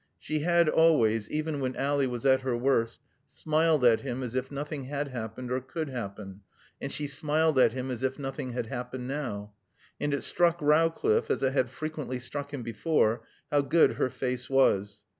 She had always, even when Ally was at her worst, smiled at him as if nothing had happened or could happen, and she smiled at him as if nothing had happened now. And it struck Rowcliffe, as it had frequently struck him before, how good her face was.